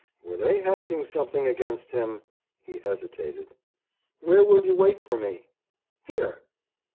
Were they hatching something against him? He hesitated. "Where will you wait for me?" "Here."